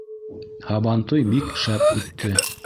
Һабантуй бик шәп үтте.